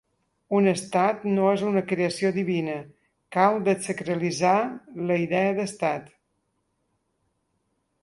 Un estat no és una creació divina, cal dessacralitzar la idea d’estat.